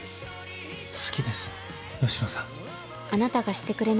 好きです、吉野さん。